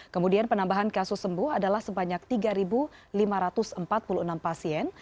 kemudian penambahan kasus sembuh adalah sebanyak tiga lima ratus empat puluh enam pasien